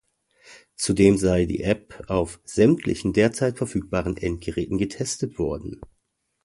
Zudem sei die App „auf sämtlichen derzeit verfügbaren Endgeräten“ getestet worden.